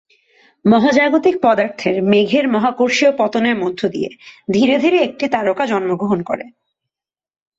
মহাজাগতিক পদার্থের মেঘের মহাকর্ষীয় পতনের মধ্য দিয়ে ধীরে ধীরে একটি তারকা জন্মগ্রহণ করে।